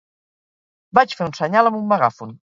Vaig fer un senyal amb un megàfon.